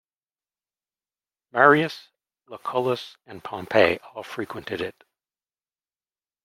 Marius, Lucullus, and Pompey all frequented it.